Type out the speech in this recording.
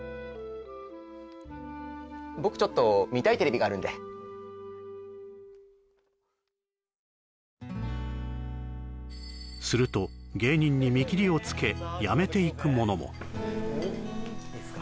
僕ちょっと見たいテレビがあるんですると芸人に見切りをつけやめていく者もいいっすか？